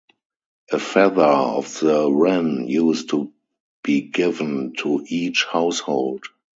A feather of the wren used to be given to each household.